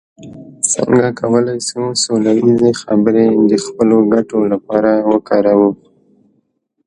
څنګه کولای سو سوله ایزي خبري د خپلو ګټو لپاره وکاروو؟